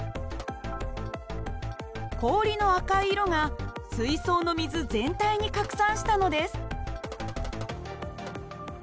氷の赤い色が水槽の水全体に拡散したのです。